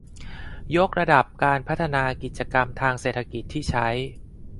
ยกระดับการพัฒนากิจกรรมทางเศรษฐกิจที่ใช้